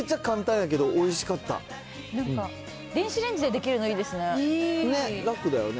なんか電子レンジでできるのいいですね。